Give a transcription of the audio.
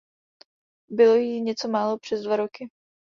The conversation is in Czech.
Bylo jí něco málo přes dva roky.